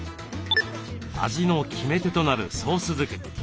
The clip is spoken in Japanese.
味の決め手となるソース作り。